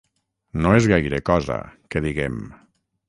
No és gaire cosa, que diguem.